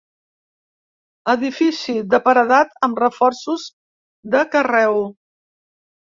Edifici de paredat amb reforços de carreu.